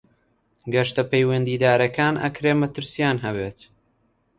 گەشتە پەیوەندیدارەکان ئەکرێ مەترسیان هەبێت.